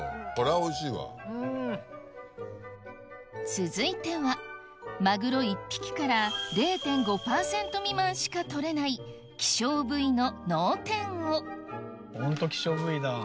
続いてはマグロ１匹から０．５％未満しか取れないホント希少部位だ。